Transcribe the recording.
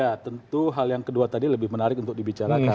ya tentu hal yang kedua tadi lebih menarik untuk dibicarakan